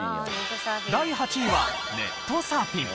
第８位はネットサーフィン。